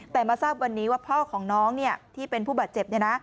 แต่มาทราบวันนี้ว่าพ่อของน้องที่เป็นผู้บาดเจ็บ